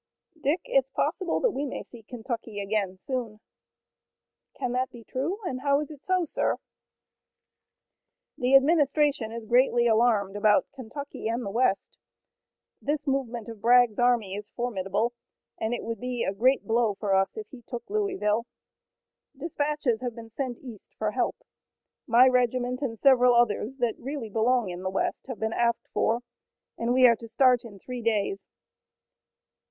"Dick, it's possible that we may see Kentucky again soon." "Can that be true, and how is it so, sir?" "The administration is greatly alarmed about Kentucky and the west. This movement of Bragg's army is formidable, and it would be a great blow for us if he took Louisville. Dispatches have been sent east for help. My regiment and several others that really belong in the west have been asked for, and we are to start in three days.